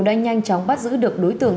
đã nhanh chóng bắt giữ được đối tượng